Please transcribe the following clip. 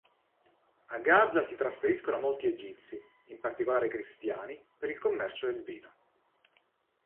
A Gaza si trasferiscono molti Egizi, in particolare cristiani, per il commercio del vino.